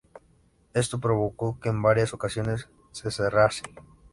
Esto provocó que en varias ocasiones se cerrase.